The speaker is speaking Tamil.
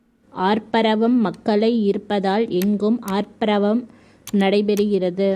ஆர்ப்பரவம் மக்களை ஈர்ப்பதால் எங்கும் ஆர்ப்பரவம் நடைபெறுகிறது.